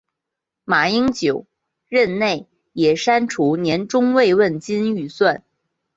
马英九任内也删除年终慰问金预算。